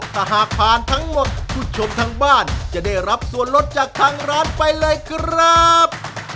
ถ้าหากผ่านทั้งหมดผู้ชมทางบ้านจะได้รับส่วนลดจากทางร้านไปเลยครับ